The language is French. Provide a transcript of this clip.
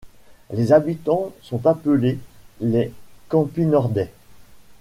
Les habitants sont appelés les Campinordais.